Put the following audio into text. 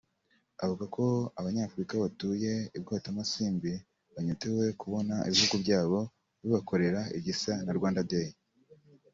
Avuga ko Abanyafurika batuye i Bwotamasimbi banyotewe kubona ibihugu byabo bibakorera igisa na Rwanda Day